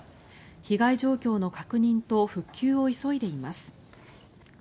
被害状況の確認と復旧を急いでいます。